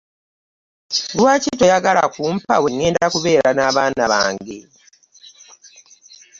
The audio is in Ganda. Lwaki toyagala kumpa wengenda kubeera n'abaana bange?